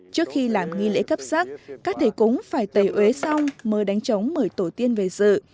trước khi làm nghi lễ cấp sắc các thầy cúng phải tẩy uế xong mới đánh trống mời tổ tiên về dự